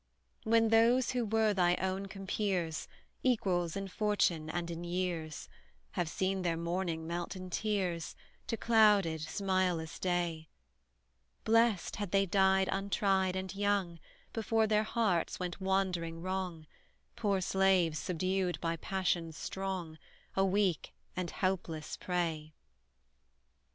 When those who were thy own compeers, Equals in fortune and in years, Have seen their morning melt in tears, To clouded, smileless day; Blest, had they died untried and young, Before their hearts went wandering wrong, Poor slaves, subdued by passions strong, A weak and helpless prey!